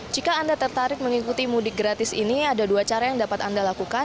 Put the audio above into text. jika anda tertarik mengikuti mudik gratis ini ada dua cara yang dapat anda lakukan